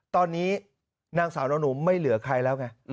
ตอนนี้นางสาวนุ่มไม่เหลือใครแล้วไง